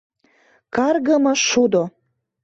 — Каргыме шудо!